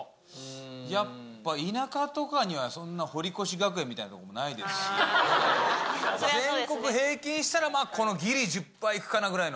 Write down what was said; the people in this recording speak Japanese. やっぱ田舎とかにはそんな堀越学園みたいなとこないですし、全国平均したら、このぎり１０パーいくかなぐらいの。